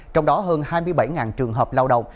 trong đó hơn hai mươi bảy trường hợp lao động